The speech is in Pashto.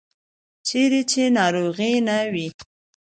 چیرې چې ناروغي نه وي.